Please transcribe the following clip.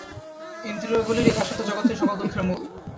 ইন্দ্রিয়গুলির এই দাসত্ব জগতের সকল দুঃখের মূল।